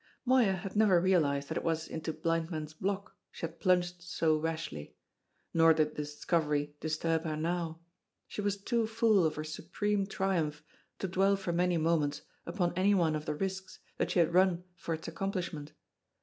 Moya had never realised that it was into Blind Man's Block she had plunged so rashly. Nor did the discovery disturb her now. She was too full of her supreme triumph to dwell for many moments upon any one of the risks that she had run for its accomplishment.